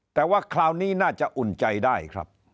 แต่ว่าคราวนี้น่าจะอุ่นใจได้ครับ